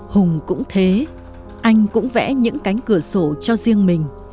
hùng cũng thế anh cũng vẽ những cánh cửa sổ cho riêng mình